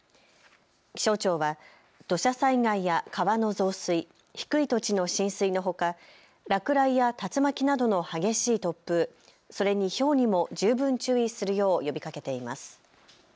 気象庁は土砂災害や川の増水、低い土地の浸水のほか、落雷や竜巻などの激しい突風、それにひょうにも十分注意するよう呼びかけています。